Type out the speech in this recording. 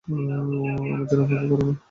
আমার জন্য অপেক্ষা করো না!